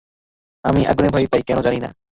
আমি আগুনে ভয় পাই, কেন জানি না।